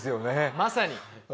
まさに。